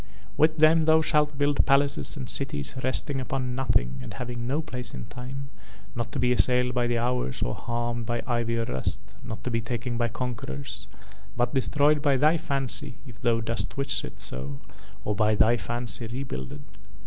"With them thou shalt build palaces and cities resting upon nothing and having no place in time, not to be assailed by the hours or harmed by ivy or rust, not to be taken by conquerors, but destroyed by thy fancy if thou dost wish it so or by thy fancy rebuilded.